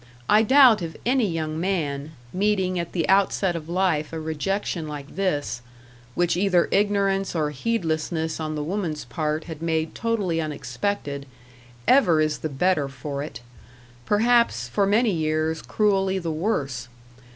I doubt if any young man, meeting at the outset of life a rejection like this, which either ignorance or heedlessness on the woman's part had made totally unexpected, ever is the better for it: perhaps, for many years, cruelly the worse.